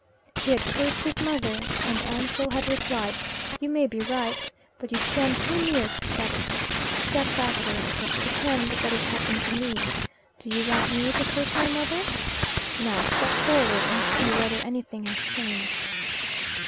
He had cursed his mother, and Ansell had replied, "You may be right, but you stand too near to settle. Step backwards. Pretend that it happened to me. Do you want me to curse my mother? Now, step forward and see whether anything has changed."